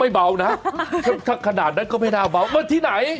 เบานะถ้าขนาดนั้นก็ไม่น่าเบาเหมือนที่ไหน